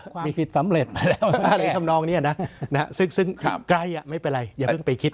ความผิดสำเร็จไปแล้วอะไรทำนองนี้นะซึ่งใกล้ไม่เป็นไรอย่าเพิ่งไปคิด